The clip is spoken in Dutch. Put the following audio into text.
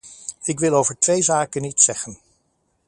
Ik wil over twee zaken iets zeggen.